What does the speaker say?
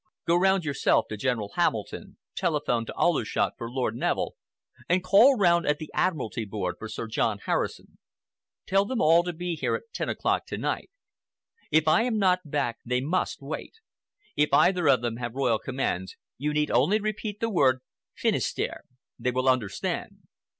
Go round yourself to General Hamilton, telephone to Aldershot for Lord Neville, and call round at the Admiralty Board for Sir John Harrison. Tell them all to be here at ten o'clock tonight. If I am not back, they must wait. If either of them have royal commands, you need only repeat the word 'Finisterre.' They will understand."